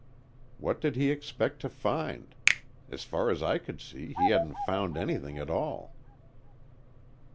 What did he expect to find? As far as I could see, he hadn't found anything at all.